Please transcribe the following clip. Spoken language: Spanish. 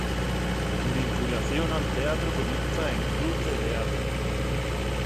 Su vinculación al teatro comienza en Club de Teatro.